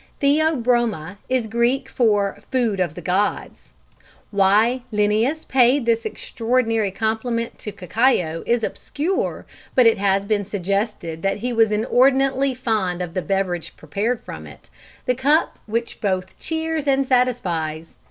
Theo broma is Greek for "Food of the Gods." Why Linnaeus paid this extraordinary compliment to cacao is obscure, but it has been suggested that he was inordinately fond of the beverage prepared from it the cup which both cheers and satisfies.